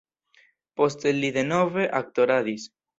Poste li denove aktoradis.